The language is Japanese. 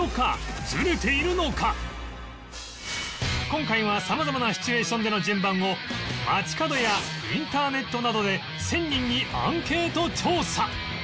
今回は様々なシチュエーションでの順番を街角やインターネットなどで１０００人にアンケート調査